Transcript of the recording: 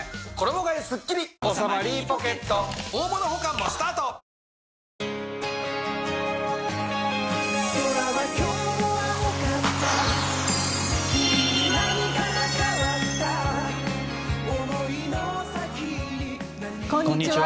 こんにちは。